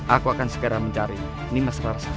aku akan segera mencari nimas rarasantang